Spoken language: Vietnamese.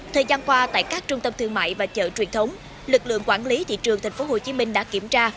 thời gian qua tại các trung tâm thương mại và chợ truyền thống lực lượng quản lý thị trường tp hcm đã kiểm tra